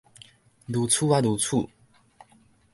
如此仔如此